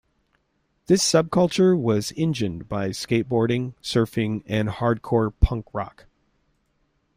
This subculture was engined by skateboarding, surfing and hardcore punkrock.